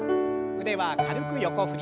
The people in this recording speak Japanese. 腕は軽く横振り。